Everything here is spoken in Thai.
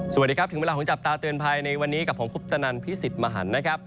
สวัสดีครับถึงเวลาของจับตาเตือนภัยในวันนี้กับผมคุปตนันพิสิทธิ์มหันนะครับ